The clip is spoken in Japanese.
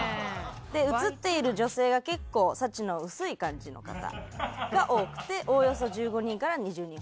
映っている女性が結構幸の薄い感じの方が多くておおよそ１５人から２０人ほどというのが。